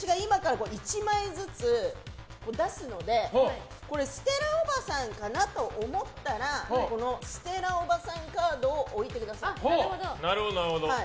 そして、私が今から１枚ずつ出すのでステラおばさんかなと思ったらステラおばさんカードを置いてください。